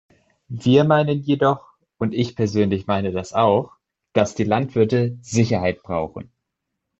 Wir meinen jedoch, und ich persönlich meine das auch, dass die Landwirte Sicherheit brauchen.